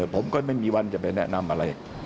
ผมก็ไม่มีวันจะไปแนะนำอะไร